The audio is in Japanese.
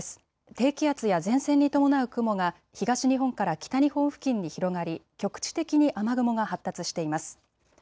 低気圧や前線に伴う雲が東日本から北日本付近に広がり局地的に雨雲が発達しています。